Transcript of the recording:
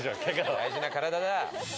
大事な体だ。